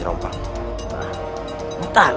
aku akan menemukanmu